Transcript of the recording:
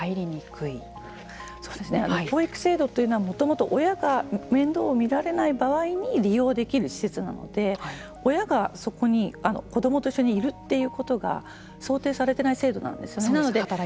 保育制度というのはもともと親が面倒を見られない場合に利用できる施設なので親がそこに子どもと一緒にいるということが想定されていない制度なんですよね。